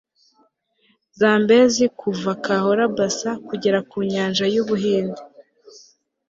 zambezi kuva cahora bassa kugera ku nyanja yu buhinde